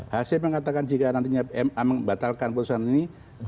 hasim mengatakan jika nantinya mam batalkan putusan ini